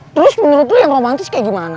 terus menurut tuh yang romantis kayak gimana